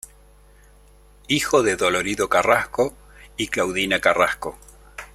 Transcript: Hijo de Dolorido Carrasco y Claudina Carrasco.